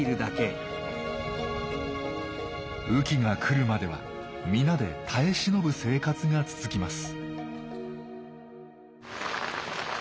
雨季が来るまでは皆で耐え忍ぶ生活が続きます。